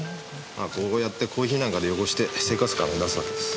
こうやってコーヒーなんかで汚して生活感を出すわけです。